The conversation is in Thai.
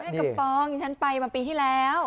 แม่กำปองฉันไปมาปีที่แล้ว